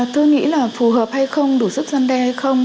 tôi nghĩ là phù hợp hay không đủ sức gian đe hay không